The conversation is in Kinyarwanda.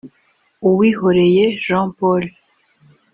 uwihoreye Jean paul